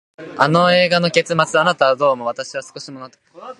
あの映画の結末、あなたはどう思う？私は少し納得いかなかったな。